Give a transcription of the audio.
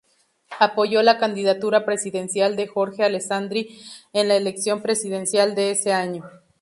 Apoyó la candidatura presidencial de Jorge Alessandri en la elección presidencial de ese año.